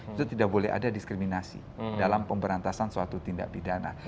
itu tidak boleh ada diskriminasi dalam pemberantasan suatu tindak pidana